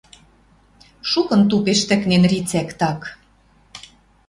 Шукын тупеш тӹкнен рицӓк так.